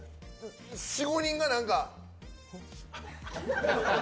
４５人が何か。